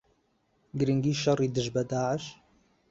گرنگی شەڕی دژ بە داعش